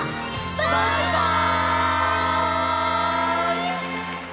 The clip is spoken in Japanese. バイバイ！